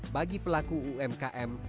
bagi pelaku umkm